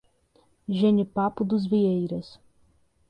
Jenipapo dos Vieiras